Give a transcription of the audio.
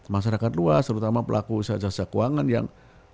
masyarakat luas terutama pelaku usaha jasa keuangan yang